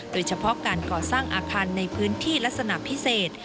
โดยเฉพาะการก่อสร้างอาคารในพื้นที่ลักษณะพิเศษ